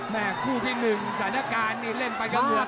แม่คู่ที่หนึ่งศาลาการนี้เล่นไปกับเหงื่อตก